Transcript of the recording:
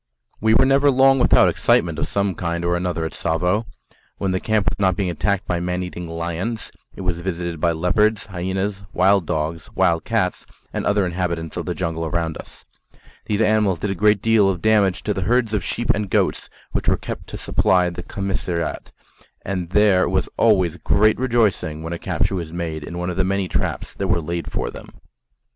We were never long without excitement of some kind or another at Tsavo. When the camp was not being attacked by man eating lions, it was visited by leopards, hyenas, wild dogs, wild cats, and other inhabitants of the jungle around us. These animals did a great deal of damage to the herds of sheep and goats which were kept to supply the commissariat, and there was always great rejoicing when a capture was made in one of the many traps that were laid for them.